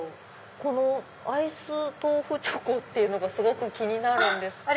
このアイス豆腐チョコがすごく気になるんですけど。